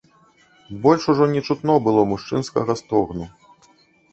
Больш ужо не чутно было мужчынскага стогну.